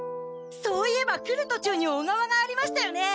そういえば来るとちゅうに小川がありましたよね！